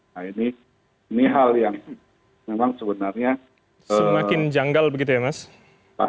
nah ini hal yang memang sebenarnya semakin janggal begitu ya mas